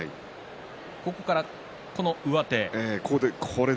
ここから上手。